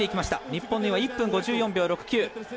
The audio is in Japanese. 日本の由井は１分５４秒６９。